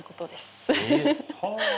はあ。